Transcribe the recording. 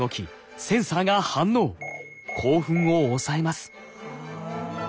興奮を抑えます。